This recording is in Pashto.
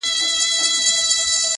• ځای پر ځای به وي ولاړ سر به یې ښوري -